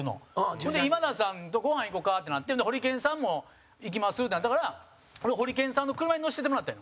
ほんで、今田さんとごはん行こかってなってホリケンさんも行きますってなったからホリケンさんの車に乗せてもらったんよ。